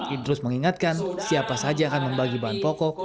idrus mengingatkan siapa saja yang akan membagi bahan pokok